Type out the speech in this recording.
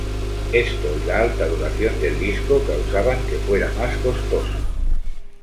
Esto y la alta duración del disco causaban que fuera más costoso.